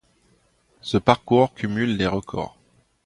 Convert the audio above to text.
Ce parcours cumule les records.